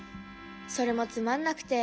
それもつまんなくて。